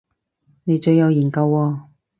你最有研究喎